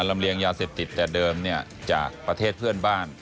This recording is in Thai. ลำเลียงยาเสพติดแต่เดิมจากประเทศเพื่อนบ้าน